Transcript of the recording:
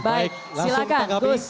baik silakan gus